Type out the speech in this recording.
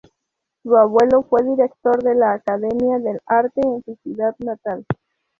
Su abuelo fue director de la Academia de Arte en su ciudad natal.